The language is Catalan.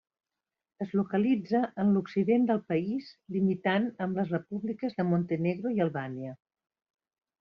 Es localitza en l'occident del país limitant amb les Repúbliques de Montenegro i Albània.